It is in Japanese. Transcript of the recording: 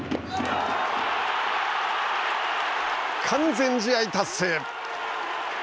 完全試合達成。